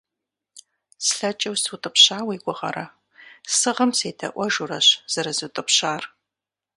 Слъэкӏыу сыутӏыпща уи гугъэрэ? Сыгъым седаӏуэжурэщ зэрызутӏыпщар.